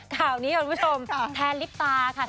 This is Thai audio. ข่าวนี้ค่ะคุณผู้ชมแทนลิปตาค่ะ